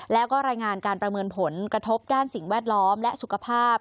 แล้วก็รายงานการประเมินผลกระทบด้านสิ่งแวดล้อมและสุขภาพ